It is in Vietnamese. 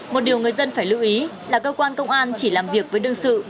một điều người dân phải lưu ý là cơ quan công an chỉ làm việc với đương sự